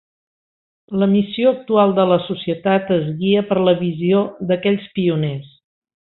La missió actual de la Societat es guia per la visió d'aquells pioners.